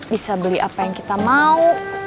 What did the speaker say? bisa beli apa yang kita mau